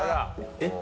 えっ？